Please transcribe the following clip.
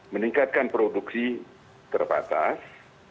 meningkatkan produksi terbatas